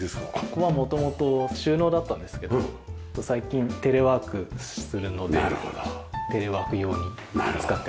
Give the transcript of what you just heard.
ここは元々収納だったんですけど最近テレワークするのでテレワーク用に使ってます。